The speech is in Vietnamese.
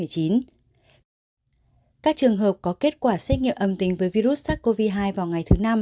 các trường hợp có kết quả xét nghiệm âm tính với virus sars cov hai vào ngày thứ năm